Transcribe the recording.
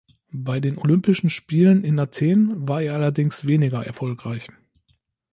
Bei den Olympischen Spielen in Athen war er allerdings weniger erfolgreich.